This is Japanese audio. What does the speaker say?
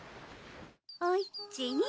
おいっちに。